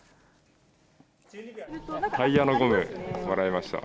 タイヤのゴム、もらいました。